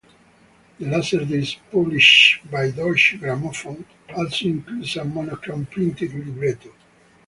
The LaserDisc, published by Deutsche Grammophon, also includes a monochrome printed libretto.